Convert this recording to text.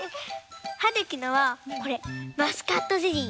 はるきのはこれマスカットゼリー。